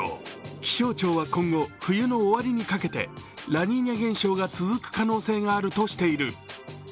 気象庁は今後、冬の終わりにかけてラニーニャ現象が続く可能性があるとしている。